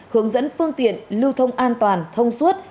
hướng dẫn phương tiện lưu thông an toàn thông suốt